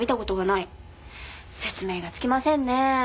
説明がつきませんね。